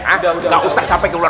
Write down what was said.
enggak usah sampai ke luar